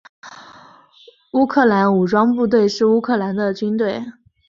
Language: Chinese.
乌克兰武装部队是乌克兰的军队。